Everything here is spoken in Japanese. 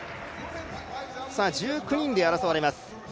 １９人で争われます。